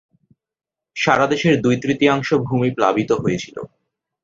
সারাদেশের দুই- তৃতীয়াংশ ভূমি প্লাবিত হয়েছিল।